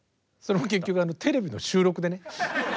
それも結局テレビの収録でね。